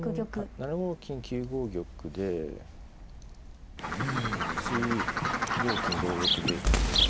７五金９五玉で８五金同玉で